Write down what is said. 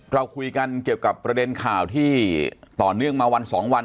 เราคุยกันเกี่ยวกับประเด็นข่าวที่ต่อเนื่องมาวันสองวัน